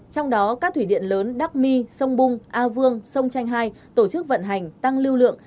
trong đó các thủy điện lớn đắc my sông bung a vương sông chanh hai tổ chức vận hành tăng lưu lượng